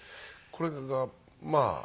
これがまあ。